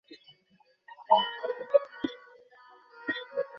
এ কারণে প্রত্যেক হিন্দুই ইহার নিকট, বিশেষত মিসেস বেস্যাণ্টের নিকট কৃতজ্ঞতাপাশে আবদ্ধ।